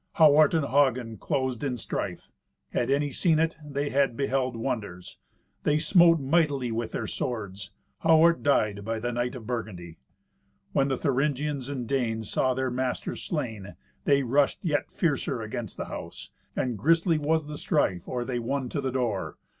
Hawart and Hagen closed in strife. Had any seen it, they had beheld wonders. They smote mightily with their swords. Hawart died by the knight of Burgundy. When the Thuringians and Danes saw their masters slain, they rushed yet fiercer against the house, and grisly was the strife or they won to the door.